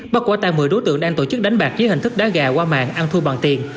bắt quả tan một mươi đối tượng đang tổ chức đánh bạc dưới hình thức đá gà qua mạng ăn thua bằng tiền